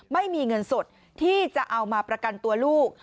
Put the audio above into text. ไม่มีเงินสดที่จะเอามาประกันตัวลูก